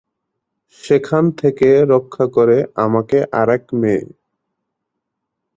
সেখান থেকে রক্ষা করে আমাকে আরেক মেয়ে।